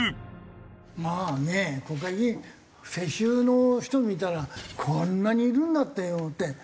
まあね国会議員世襲の人見たらこんなにいるんだって思って。